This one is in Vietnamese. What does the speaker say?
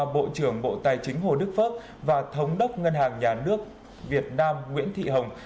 bộ trưởng bộ tài chính hồ đức phước và thống đốc ngân hàng nhà nước việt nam nguyễn thị hồng